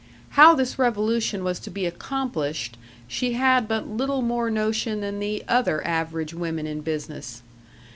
How this revolution was to be accomplished she had but little more notion than the other average women in business.